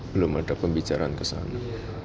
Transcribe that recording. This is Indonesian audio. belum ada pembicaraan kesana